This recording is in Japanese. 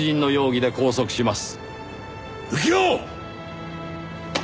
右京！